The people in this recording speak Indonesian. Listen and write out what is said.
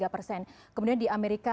tiga persen kemudian di amerika